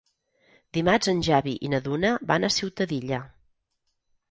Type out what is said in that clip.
Dimarts en Xavi i na Duna van a Ciutadilla.